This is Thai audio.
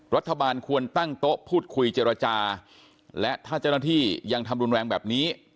รัฐบาลควรตั้งโต๊ะพูดคุยเจรจาและถ้าเจ้าหน้าที่ยังทำรุนแรงแบบนี้